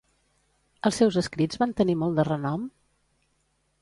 Els seus escrits van tenir molt de renom?